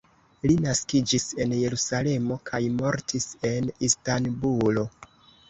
Li naskiĝis en Jerusalemo kaj mortis en Istanbulo.